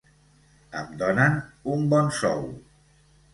Em donen un bon sou.